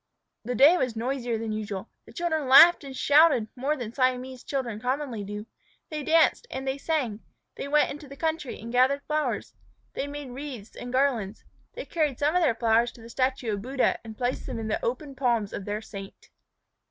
The day was noisier than usual. The children laughed and shouted more than Siamese children commonly do. They danced and they sang. They went into the country and gathered flowers. They made wreaths and garlands. They carried some of their flowers to the statue of Buddha and placed them in the open palms of their saint.